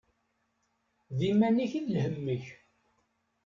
D idammen-ik i d lhemm-ik.